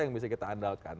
yang bisa kita andalkan